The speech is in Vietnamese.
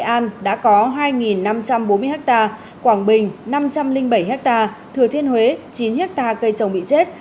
nghệ an đã có hai năm trăm bốn mươi ha quảng bình năm trăm linh bảy hectare thừa thiên huế chín hectare cây trồng bị chết